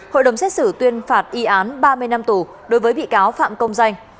hội đồng xét xử tuyên phạt y án ba mươi năm tù đối với bị cáo phạm công danh